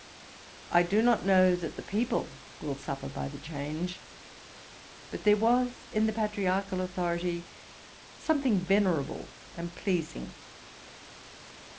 I do not know that the people will suffer by the change; but there was in the patriarchal authority something venerable and pleasing.